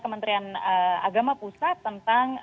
kementerian agama pusat tentang